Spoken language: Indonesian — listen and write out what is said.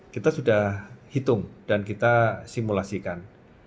kita sudah hitung dan kita simulasikan